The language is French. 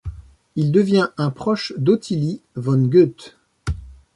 Il devient un proche d'Ottilie von Goethe.